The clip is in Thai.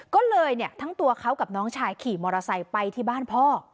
ก็เลยเนี่ยทั้งตัวเขากับน้องชายขี่มอเตอร์ไซค์ไปที่บ้านพ่อ